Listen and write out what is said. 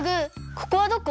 ここはどこ？